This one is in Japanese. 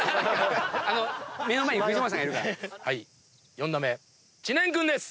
４打目知念君です。